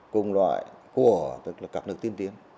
cùng loại của các nước tiên tiến